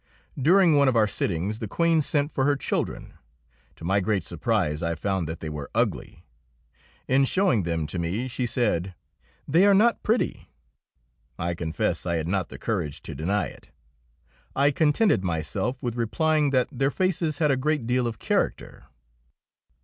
During one of our sittings the Queen sent for her children. To my great surprise I found that they were ugly. In showing them to me she said, "They are not pretty." I confess I had not the courage to deny it. I contented myself with replying that their faces had a great deal of character.